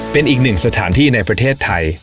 เป็นอีกหนึ่งสถานที่ในประเทศไทย